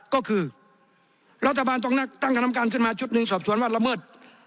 ก็คือรัฐบาลต้องตั้งคณะกรรมการขึ้นมาชุดหนึ่งสอบสวนว่าละเมิด